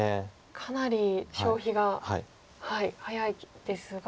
かなり消費が早いですが。